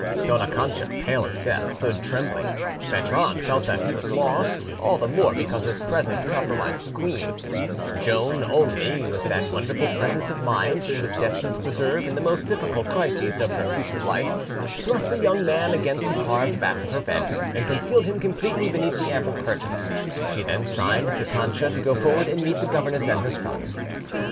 Dona Cancha, pale as death, stood trembling; Bertrand felt that he was lost—all the more because his presence compromised the queen; Joan only, with that wonderful presence of mind she was destined to preserve in the most difficult crises of her future life, thrust the young man against the carved back of her bed, and concealed him completely beneath the ample curtain: she then signed to Cancha to go forward and meet the governess and her son.